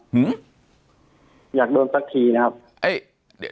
อยากโดนสักทีนะครับ